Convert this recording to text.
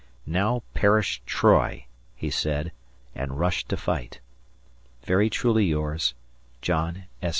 "Now perish Troy," he said, and rushed to fight. Very truly yours, John S.